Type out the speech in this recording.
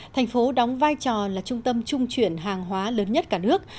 thành phố đóng vai trò là trung tâm trung chuyển hàng hóa lớn nhất cả nước